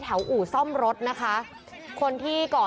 เพราะถูกทำร้ายเหมือนการบาดเจ็บเนื้อตัวมีแผลถลอก